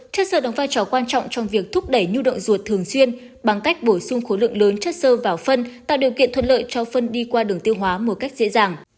chất sợ đóng vai trò quan trọng trong việc thúc đẩy nhu động ruột thường xuyên bằng cách bổ sung khối lượng lớn chất sơ vào phân tạo điều kiện thuận lợi cho phân đi qua đường tiêu hóa một cách dễ dàng